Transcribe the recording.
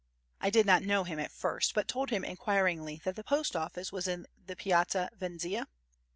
I did not know him at first, and told him enquiringly that the post office was in the Piazza Venezia?